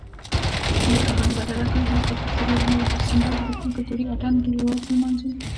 ږغ بدرګه کړئ، هر کال به څلورم دسمبر د پښتون کلتوري اتڼ ورځ لمانځو